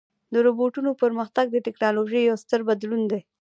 د روبوټونو پرمختګ د ټکنالوژۍ یو ستر بدلون دی.